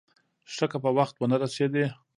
ښه که په وخت ونه رسېدې.